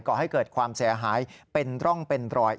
ก่อให้เกิดความเสียหายเป็นร่องเป็นรอย